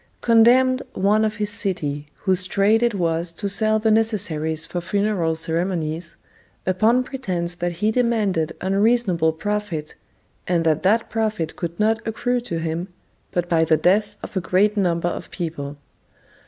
] condemned one of his city, whose trade it was to sell the necessaries for funeral ceremonies, upon pretence that he demanded unreasonable profit, and that that profit could not accrue to him, but by the death of a great number of people.